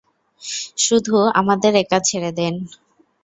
শুধু আমাদের একা ছেড়ে দেন!